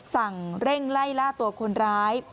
สั่งเร่งไล่ล่าตัวคนร้าย